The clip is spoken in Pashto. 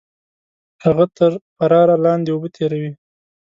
هغه تر پراړه لاندې اوبه تېروي